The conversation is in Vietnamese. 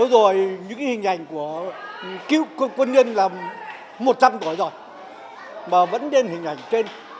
rồi những hình ảnh của cựu quân nhân là một trăm linh tuổi rồi mà vẫn lên hình ảnh trên